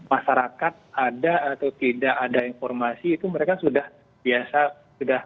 masyarakat ada atau tidak ada informasi itu mereka sudah biasa sudah